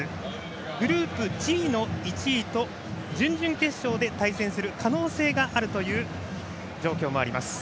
グループＧの１位と準々決勝で対戦する可能性があるという状況もあります。